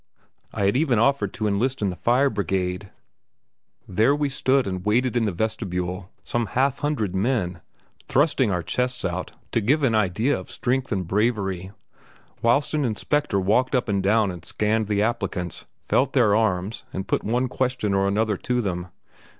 I had even offered to enlist in the Fire Brigade. There we stood and waited in the vestibule, some half hundred men, thrusting our chests out to give an idea of strength and bravery, whilst an inspector walked up and down and scanned the applicants, felt their arms, and put one question or another to them.